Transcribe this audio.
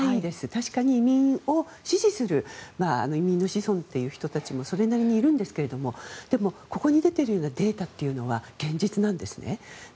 確かに移民を支持する移民の子孫の人たちもそれなりにいるんですけどもここに出ているようなデータは現実なんですね。